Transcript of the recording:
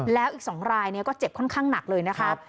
แล้วอีก๒รายก็เจ็บค่อนข้างหนักเลยนะครับ